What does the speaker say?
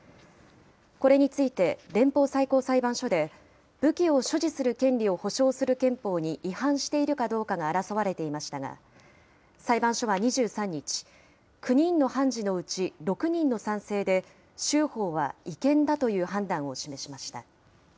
これについて、連邦最高裁判所で武器を所持する権利を保障する憲法に違反しているかどうかが争われていましたが、裁判所は２３日、９人の判事のうち６人の賛成で、州法は違憲だという判断を示しました。